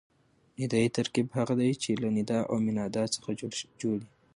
ندایي ترکیب هغه دئ، چي له ندا او منادا څخه جوړ يي.